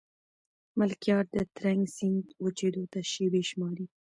ملکیار د ترنک سیند وچېدو ته شېبې شماري.